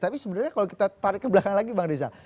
tapi sebenarnya kalau kita tarik ke belakang lagi bang rizal